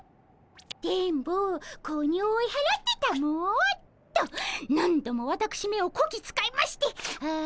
「電ボ子鬼を追い払ってたも」。と何度もわたくしめをこき使いましてあしんど。